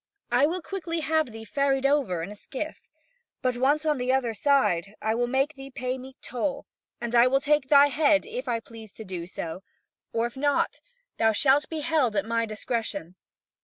I will quickly have thee ferried over in a skiff. But once on the other side, I will make thee pay me toll, and I will take thy head, if I please to do so, or if not, thou shalt be held at my discretion."